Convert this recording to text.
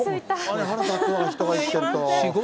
あれ、腹立つわ、人がいってると。